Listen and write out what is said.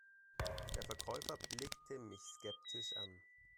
Der Verkäufer blickte mich skeptisch an.